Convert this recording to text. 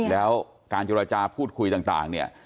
แล้วการเจรจาพูดคุยต่างเนี่ย